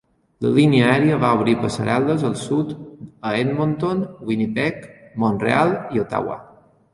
La línia aèria va obrir passarel·les al sud a Edmonton, Winnipeg, Mont-real i Ottawa.